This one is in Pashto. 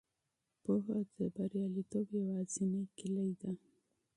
پوهه د کامیابۍ یوازینۍ کیلي ده.